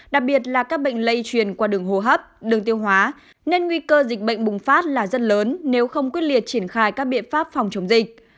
đặc biệt là các bệnh lây truyền qua đường hô hấp đường tiêu hóa nên nguy cơ dịch bệnh bùng phát là rất lớn nếu không quyết liệt triển khai các biện pháp phòng chống dịch